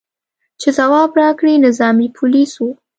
چې ځواب راکړي، نظامي پولیس و.